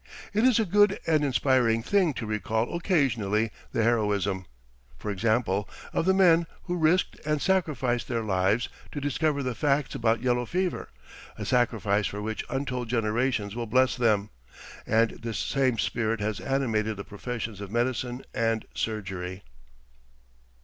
It is a good and inspiring thing to recall occasionally the heroism, for example, of the men who risked and sacrificed their lives to discover the facts about yellow fever, a sacrifice for which untold generations will bless them; and this same spirit has animated the professions of medicine and surgery.